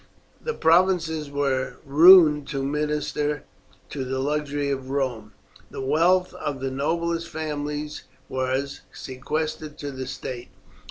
The provinces were ruined to minister to the luxury of Rome. The wealth of the noblest families was sequestrated to the state.